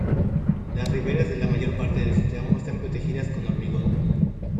Las riberas de la mayor parte de su tramo están protegidas con hormigón.